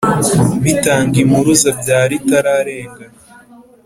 Bitangimpuruza bya Ritararenga